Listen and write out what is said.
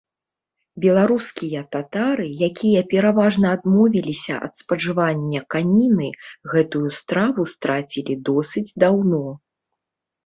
Беларускія татары, якія пераважна адмовіліся ад спажывання каніны, гэтую страву страцілі досыць даўно.